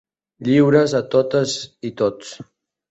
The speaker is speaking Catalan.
Lliures a totes i tots.